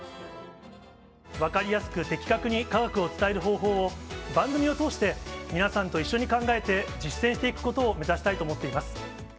分かりやすく的確に科学を伝える方法を、番組を通して皆さんと一緒に考えて実践していくことを目指したいと思っています。